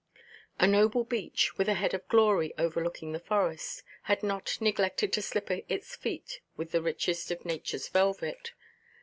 A noble beech, with a head of glory overlooking the forest, had not neglected to slipper his feet with the richest of natureʼs velvet.